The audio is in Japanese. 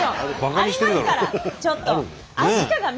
ちょっと！